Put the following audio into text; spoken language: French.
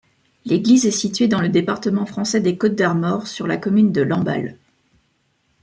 L'église est située dans le département français des Côtes-d'Armor, sur la commune de Lamballe.